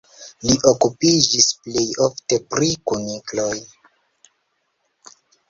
Li okupiĝis plej ofte pri kunikloj.